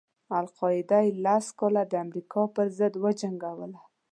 القاعده یې لس کاله د امریکا پر ضد وجنګېدله.